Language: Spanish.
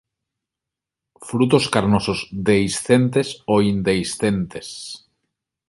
Frutos carnosos dehiscentes o indehiscentes.